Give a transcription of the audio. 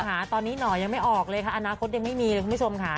ค่ะตอนนี้หน่อยังไม่ออกเลยค่ะอนาคตยังไม่มีเลยคุณผู้ชมค่ะ